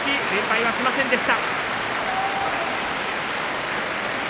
連敗はしませんでした。